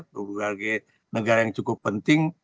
ke berbagai negara yang cukup penting